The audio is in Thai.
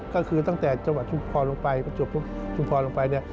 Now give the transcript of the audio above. ก็คือตั้งแต่จังหวัดชุมพรลงไป